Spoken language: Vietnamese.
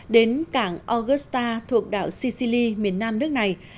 đến cảng augusta thuộc đảo sicili miền nam nước này